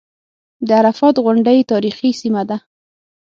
د عرفات غونډۍ تاریخي سیمه ده.